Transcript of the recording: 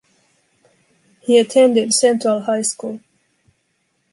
He attended Central High School.